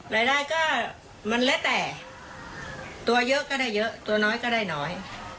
รายได้ก็มันแล้วแต่ตัวเยอะก็ได้เยอะตัวน้อยก็ได้น้อย